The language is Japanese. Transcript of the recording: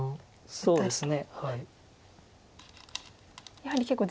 そうですね。